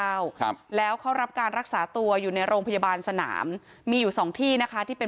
ครับแล้วเขารับการรักษาตัวอยู่ในโรงพยาบาลสนามมีอยู่สองที่นะคะที่เป็น